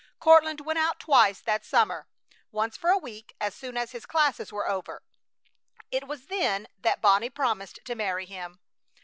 Courtland went out twice that summer, once for a week as soon as his classes were over. It was then that Bonnie promised to marry him.